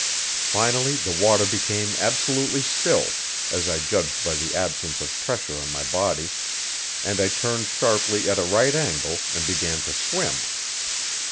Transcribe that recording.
Finally the water became absolutely still, as I judged by the absence of pressure on my body, and I turned sharply at a right angle and began to swim.